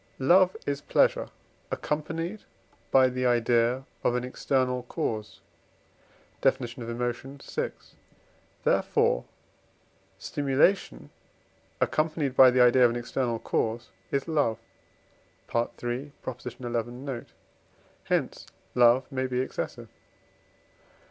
Love is pleasure, accompanied by the idea of an external cause (Def. of Emotions, vi.); therefore stimulation, accompanied by the idea of an external cause is love (III. xi. note); hence love maybe excessive.